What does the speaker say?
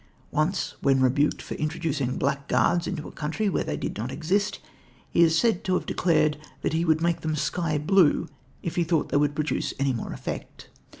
Once when rebuked for introducing black guards into a country where they did not exist, he is said to have declared that he would have made them sky blue if he thought they would produce any more effect.